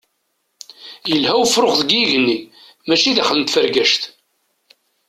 Yelha ufrux deg yigenni mačči daxel n tfergact.